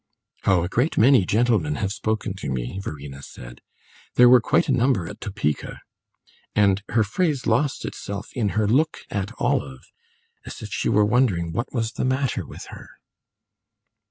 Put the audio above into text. "Oh, a great many gentlemen have spoken to me," Verena said. "There were quite a number at Topeka " And her phrase lost itself in her look at Olive, as if she were wondering what was the matter with her.